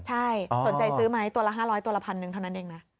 ใช่สนใจซื้อไหมตัวละ๕๐๐ตัวละพันหนึ่งเท่านั้นเองนะ